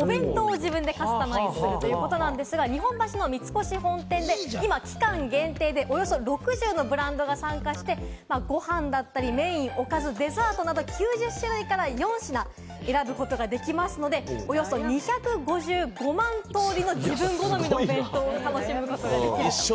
お弁当を自分でカスタマイズするということなんですが、日本橋三越本店で今期間限定でおよそ６０のブランドが参加し、ご飯やメイン、デザートなど９０種類から４品選ぶことができますので、およそ２５５万通りの自分好みの弁当を楽しむことができます。